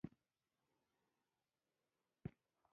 هغه چې ولاړ ډاکتر بلال راغى.